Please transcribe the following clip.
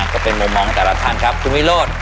ก็เป็นมุมมองของแต่ละท่านครับคุณวิโรธ